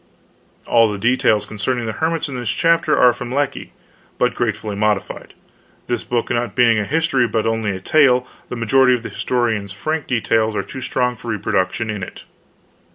* [*All the details concerning the hermits, in this chapter, are from Lecky but greatly modified. This book not being a history but only a tale, the majority of the historian's frank details were too strong for reproduction in it.